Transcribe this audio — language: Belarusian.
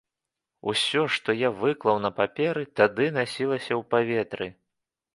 Усё, што я выклаў на паперы, тады насілася ў паветры.